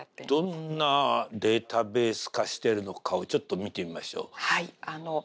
どんなデータベース化しているのかをちょっと見てみましょう。